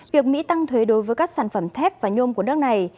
việc mỹ tăng thuế đối với các sản phẩm thép và nhôm của nước này